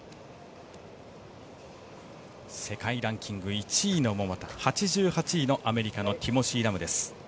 世界ランキング１位の桃田８８位のアメリカのティモシー・ラムです。